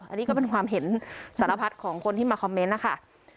อันนี้ก็เป็นความเห็นสารพัดของคนที่มาคอมเมนต์นะคะ